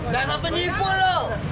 dasar penipu loh